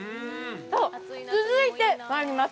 続いて、参ります。